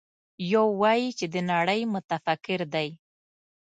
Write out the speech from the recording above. يو وايي چې د نړۍ متفکر دی.